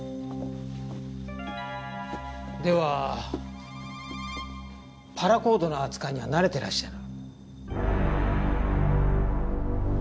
ではパラコードの扱いには慣れてらっしゃる。